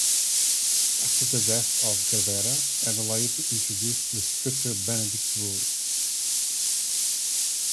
After the death of Gerberga, Adelaide introduced the stricter Benedictine rule.